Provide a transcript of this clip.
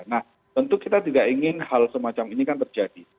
nah tentu kita tidak ingin hal semacam ini kan terjadi